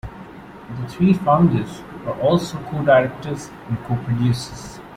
The three founders are also co-directors and co-producers.